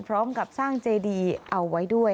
พร้อมกับสร้างเจดีเอาไว้ด้วย